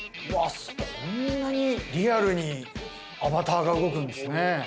こんなにリアルにアバターが動くんですね。